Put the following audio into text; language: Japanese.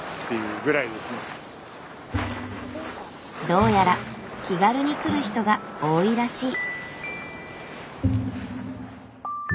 どうやら気軽に来る人が多いらしい。